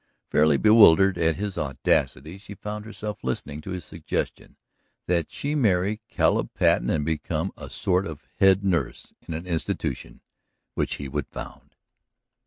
Fairly bewildered at his audacity she found herself listening to his suggestion that she marry Caleb Patten and become a sort of head nurse in an institution which he would found!